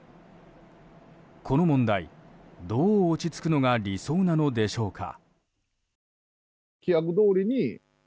この問題、どう落ち着くのが理想なのでしょうか。